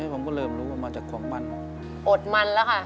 พี่หมา